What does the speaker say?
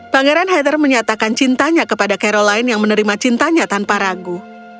pangeran heather menyatakan cintanya kepada caroline yang menerima cintanya tanpa ragu